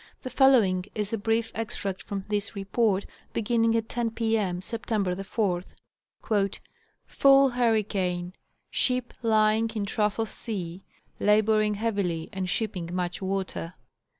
The following is a brief extract from this report, beginning at 10 Pp. Mm, Sept. 4th: " Full hur ricane, ship lying in trough of sea, laboring heavily and shipping much water.